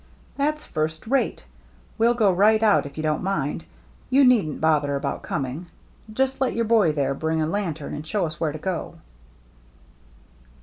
"That's first rate. We'll go right out if you don't mind. You needn't bother about 274 THE MERRT ANNE coming. Just let your boy there bring a lantern and show us where to go."